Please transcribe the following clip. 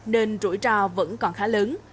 nên rủi ro vẫn còn khá lớn